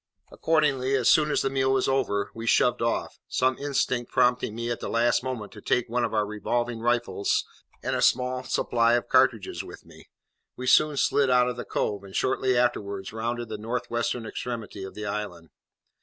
Accordingly, as soon as the meal was over, we shoved off, some instinct prompting me, at the last moment, to take one of our revolving rifles and a small supply of cartridges with me. We soon slid out of the cove, and shortly afterwards rounded the north western extremity of the island.